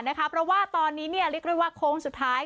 เพราะว่าตอนนี้เรียกได้ว่าโค้งสุดท้าย